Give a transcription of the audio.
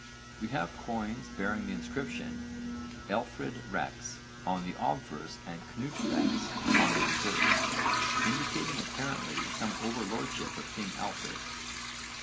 We have coins bearing the inscription 'Elfred rex' on the obverse and 'Cnut rex' on the reverse, indicating apparently some overlordship of king Alfred.